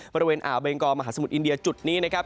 บริเวณอ่าวเบงกอมหาสมุทรอินเดียจุดนี้นะครับ